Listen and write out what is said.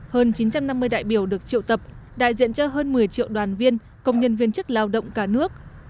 hơn chín trăm năm mươi đại biểu được triệu tập đại diện cho hơn một mươi triệu đoàn viên công nhân viên chức lao động cả nước